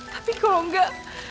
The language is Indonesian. tapi kalau enggak